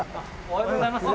おはようございます。